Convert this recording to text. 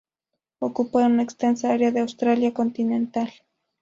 Ocupa una extensa área de Australia continental.